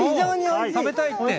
食べたいって。